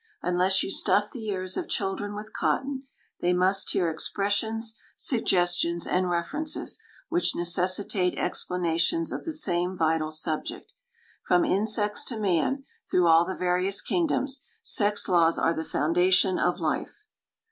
Unless you stuff the ears of children with cotton, they must hear expressions, suggestions, and references, which necessitate explanations of the same vital subject. From insects to man, through all the various kingdoms, sex laws are the foundation of life.